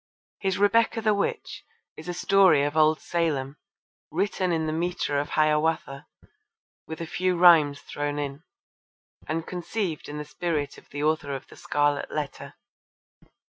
His Rebecca the Witch is a story of old Salem, written in the metre of Hiawatha, with a few rhymes thrown in, and conceived in the spirit of the author of The Scarlet Letter.